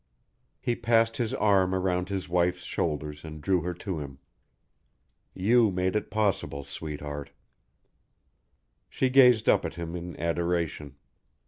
He passed his arm around his wife's shoulders and drew her to him. "You made it possible, sweetheart." She gazed up at him in adoration.